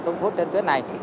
trong phút trên tuyến này